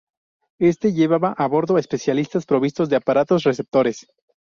Éste llevaba a bordo especialistas provistos de aparatos receptores.